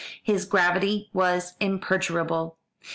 His gravity was imperturbable.